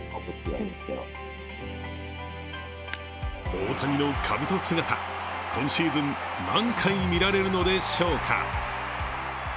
大谷のかぶと姿、今シーズン何回、見られるのでしょうか。